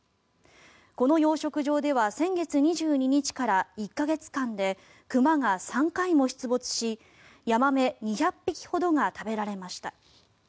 この養殖場では先月２２日から１か月間で熊が３回も出没しヤマメ２００匹ほどが食べられました。